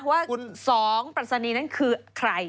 ว่า๒ปรัสนีนั้นคือใคร